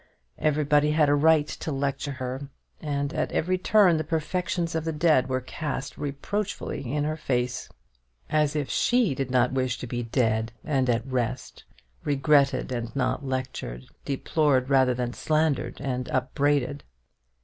Everybody had a right to lecture her, and at every turn the perfections of the dead were cast reproachfully in her face. As if she did not wish to be dead and at rest, regretted and not lectured, deplored rather than slandered and upbraided.